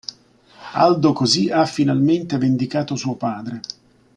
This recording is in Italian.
Aldo così ha finalmente vendicato suo padre.